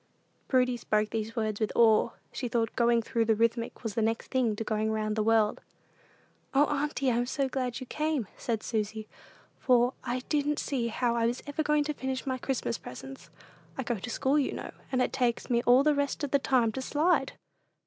Prudy spoke these words with awe. She thought "going through the Rithmetic" was next thing to going round the world. "O Auntie, I'm so glad you came," said Susy, "for I didn't see how I was ever going to finish my Christmas presents: I go to school, you know, and it takes me all the rest of the time to slide!"